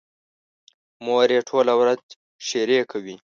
مور یې ټوله ورځ ښېرې کوي.